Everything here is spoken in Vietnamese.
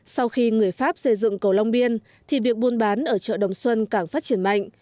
sau khi người pháp xây dựng cầu long biên thì việc buôn bán ở chợ đồng xuân càng phát triển mạnh